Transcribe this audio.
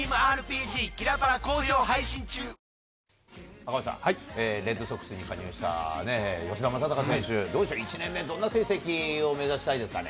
赤星さん、レッドソックスに加入した吉田正尚選手、どうでしょう、１年目、どんな成績を目指したいですかね。